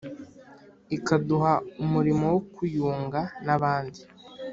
ikaduha umurimo wo kuyunga n'abandi,